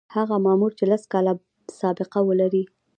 هغه مامور چې لس کاله سابقه ولري.